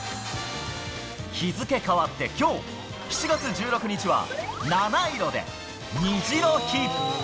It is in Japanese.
日付変わってきょう７月１６日はなないろで、虹の日。